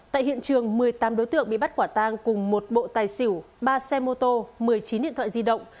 tại hiện trường một mươi tám đối tượng bị bắt quả tang cùng một bộ tài xỉu ba xe mô tô một mươi chín điện thoại di động